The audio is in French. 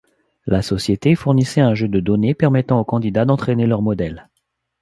La société fournissait un jeu de données permettant aux candidats d'entraîner leurs modèles.